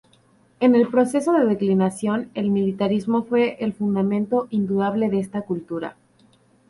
En el proceso de declinación el militarismo fue el fundamento indudable de esta cultura.